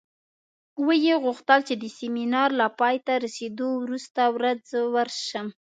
ویې غوښتل چې د سیمینار له پای ته رسېدو وروسته ورځ ورشم.